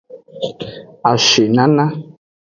Ashinana.